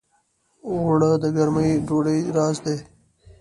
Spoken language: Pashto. اوړه د ګرمې ډوډۍ راز دي